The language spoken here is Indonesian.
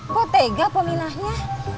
kok tega pominahnya